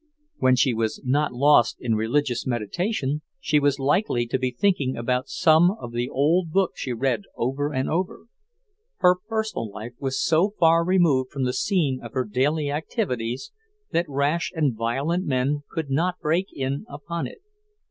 When she was not lost in religious meditation, she was likely to be thinking about some one of the old books she read over and over. Her personal life was so far removed from the scene of her daily activities that rash and violent men could not break in upon it.